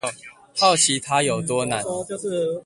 好奇他有多難